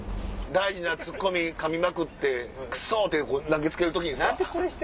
大事なツッコミかみまくって「くそ！」って投げ付ける時にさ。